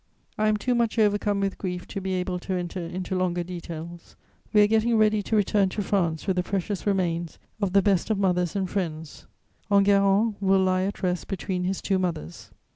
"I am too much overcome with grief to be able to enter into longer details. We are getting ready to return to France with the precious remains of the best of mothers and friends. Enguerrand will lie at rest between his two mothers.